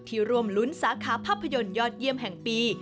ร่วมลุ้นสาขาภาพยนตร์ยอดเยี่ยมแห่งปี